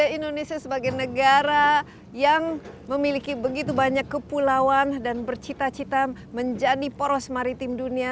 indonesia sebagai negara yang memiliki begitu banyak kepulauan dan bercita cita menjadi poros maritim dunia